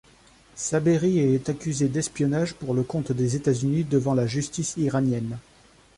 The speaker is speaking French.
Saberi est accusée d'espionnage pour le compte des États-Unis devant la justice iranienne.